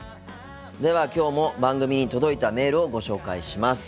ではきょうも番組に届いたメールをご紹介します。